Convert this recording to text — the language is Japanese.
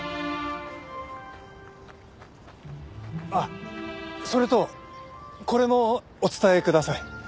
あっそれとこれもお伝えください。